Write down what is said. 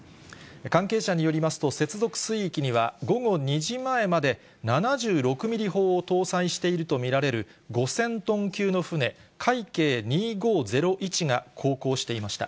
関係者によりますと、接続水域には、午後２時前まで７６ミリ砲を搭載していると見られる、５０００トン級の船、海警２５０１が航行していました。